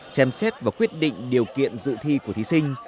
xem xét và quyết định điều kiện dự thi của thí sinh